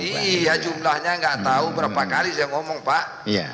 iya jumlahnya nggak tahu berapa kali saya ngomong pak